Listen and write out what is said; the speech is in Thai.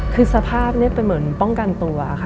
คือสภาพนี้เป็นเหมือนป้องกันตัวค่ะ